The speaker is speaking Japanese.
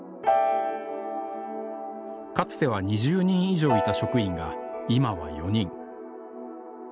かつては２０人以上いた職員が今は４人。